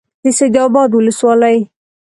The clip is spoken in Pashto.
د سید آباد ولسوالۍ